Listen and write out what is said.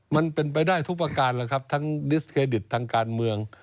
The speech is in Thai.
มันเป็นไปได้ทุกประการแล้วครับทั้งดิสเครดิตทางการเมือง